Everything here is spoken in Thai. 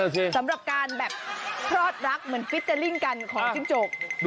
สำหรับการแบบพลอดรักเหมือนฟิเจอร์ลิ่งกันของจิ้งจก